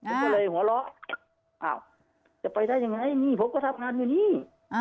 ผมก็เลยหัวเราะอ้าวจะไปได้ยังไงนี่ผมก็ทำงานอยู่นี่